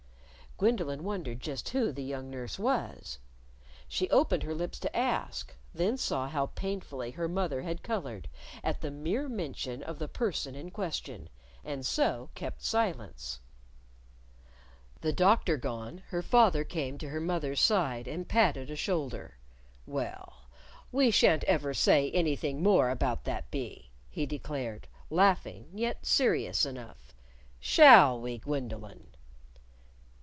Gwendolyn wondered just who the young nurse was. She opened her lips to ask; then saw how painfully her mother had colored at the mere mention of the person in question, and so kept silence. The Doctor gone, her father came to her mother's side and patted a shoulder. "Well, we shan't ever say anything more about that bee," he declared, laughing, yet serious enough. "Shall we, Gwendolyn!"